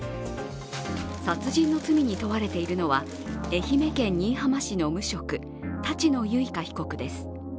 殺人の罪に問われているのは、愛媛県新居浜市の無職、立野由香被告です。